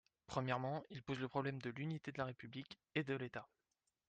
Premièrement, il pose le problème de l’unité de la République et de l’État.